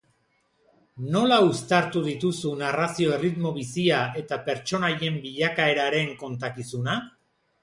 Nola uztartu dituzu narrazio erritmo bizia eta pertsonaien bilakaeraren kontakizuna?